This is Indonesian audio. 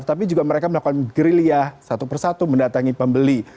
tapi juga mereka melakukan gerilya satu persatu mendatangi pembeli